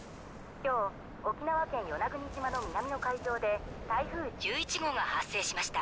今日沖縄県与那国島の南の海上で台風１１号が発生しました。